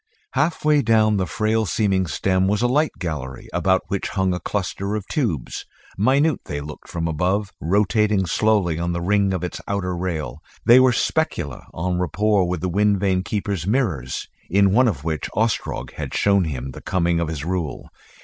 Halfway down the frail seeming stem was a light gallery about which hung a cluster of tubes minute they looked from above rotating slowly on the ring of its outer rail. These were the specula, en rapport with the wind vane keeper's mirrors, in one of which Ostrog had shown him the coming of his rule.